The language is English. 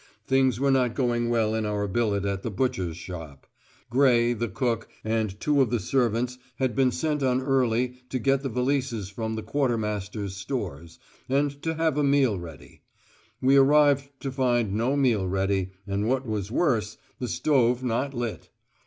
Things were not going well in our billet at the butcher's shop. Gray, the cook, and two of the servants had been sent on early to get the valises from the quartermaster's stores, and to have a meal ready. We arrived to find no meal ready, and what was worse, the stove not lit.